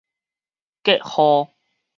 隔號